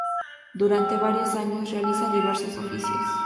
Durante varios años realiza diversos oficios.